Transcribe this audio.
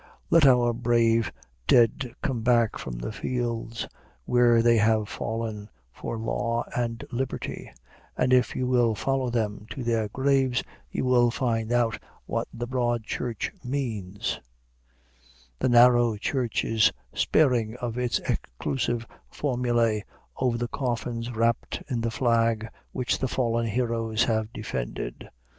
Let our brave dead come back from the fields where they have fallen for law and liberty, and if you will follow them to their graves, you will find out what the Broad Church means; the narrow church is sparing of its exclusive formulæ over the coffins wrapped in the flag which the fallen heroes had defended!